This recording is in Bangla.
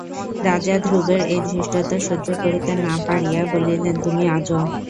রাজা ধ্রুবের এই ধৃষ্টতা সহ্য করিতে না পারিয়া বলিলেন, তুমি আজা।